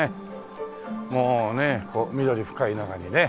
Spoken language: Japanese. もうね緑深い中にね。